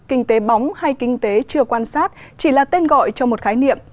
kinh tế bóng hay kinh tế chưa quan sát chỉ là tên gọi cho một khái niệm